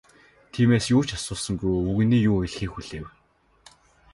Тиймээс юу ч асуусангүй, өвгөний юу хэлэхийг хүлээв.